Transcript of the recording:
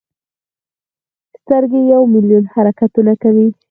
سترګې یو ملیون حرکتونه کوي.